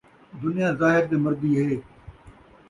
دنیا ظاہر تے مردی ہے